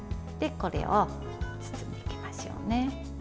これを包んでいきましょうね。